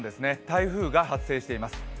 台風が発生しています。